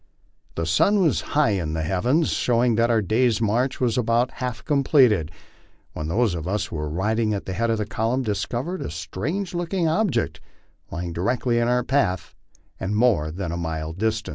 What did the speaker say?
The sun was high in the heavens, showing that our day's march was about half completed, when those of us who were riding at the head of the column discovered a strange looking object ly ing directly in our path, and more than a mile distant.